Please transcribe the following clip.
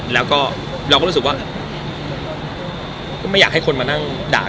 แล้วก็เราก็รู้สึกว่าก็ไม่อยากให้คนมานั่งด่า